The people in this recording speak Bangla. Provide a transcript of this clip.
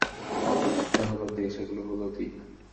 এটা হলো দেশ, এগুলো হলো দ্বীপ।